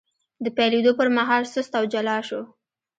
د پیلېدو پر مهال سست او جلا شو،